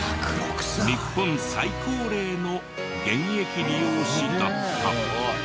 日本最高齢の現役理容師だった。